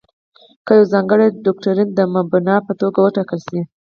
که یو ځانګړی دوکتورین د مبنا په توګه وټاکل شي.